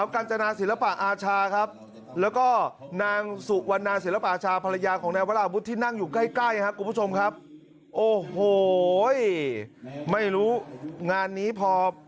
ของแนนพลาอาบุธที่นั่งอยู่ใกล้ครับคุณผู้ชมครับโอ้โหไม่รู้งานนี้พอ